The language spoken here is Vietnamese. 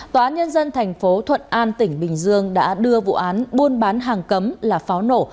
tòa án nhân dân tp thuận an tỉnh bình dương đã đưa vụ án buôn bán hàng cấm là pháo nổ